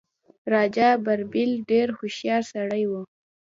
راجا بیربل ډېر هوښیار سړی وو.